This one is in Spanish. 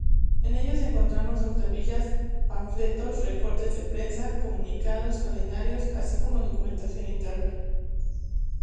En ellas encontramos octavillas, panfletos, recortes de prensa, comunicados, calendarios…, así como documentación interna.